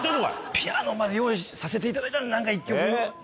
ピアノまで用意させていただいたので何か１曲。